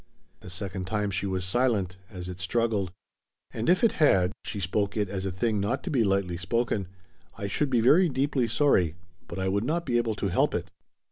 A second time she was silent, as it struggled. "And if it had" she spoke it as a thing not to be lightly spoken "I should be very deeply sorry, but I would not be able to help it."